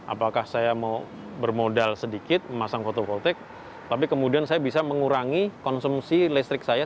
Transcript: apakah saya mau bermodal sedikit memasang fotovoltek tapi kemudian saya bisa mengurangi konsumsi listrik saya